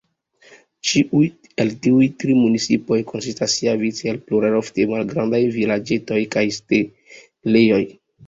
Ĉiuj el tiuj tri municipoj konsistas siavice el pluraj ofte malgrandaj vilaĝetoj kaj setlejoj.